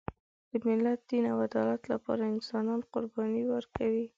د ملت، دین او عدالت لپاره انسانان قرباني ورکوي.